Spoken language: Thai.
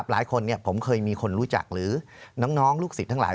หลายคนผมเคยมีคนรู้จักหรือน้องลูกศิษย์ทั้งหลาย